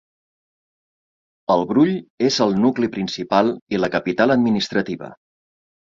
El Brull és el nucli principal i la capital administrativa.